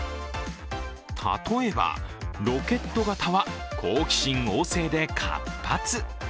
例えば、ロケット形は好奇心旺盛で活発。